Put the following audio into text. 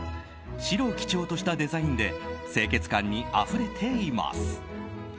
白を基調としたデザインで清潔感にあふれています。